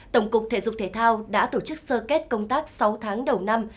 thể thao đã tổ chức sơ kết công tác sáu tháng đầu năm